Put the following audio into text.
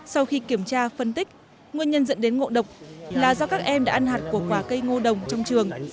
sau khi kiểm tra phân tích nguyên nhân dẫn đến ngộ độc là do các em đã ăn hạt của quả cây ngô đồng trong trường